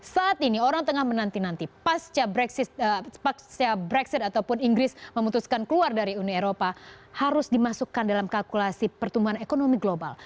saat ini orang tengah menanti nanti pasca brexit ataupun inggris memutuskan keluar dari uni eropa harus dimasukkan dalam kalkulasi pertumbuhan ekonomi global